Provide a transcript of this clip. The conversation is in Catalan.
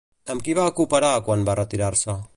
Amb qui va cooperar quan va retirar-se?